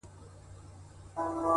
راباندي گرانه خو يې ـ